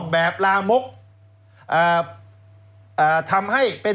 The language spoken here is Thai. แล้วเขาก็ใช้วิธีการเหมือนกับในการ์ตูน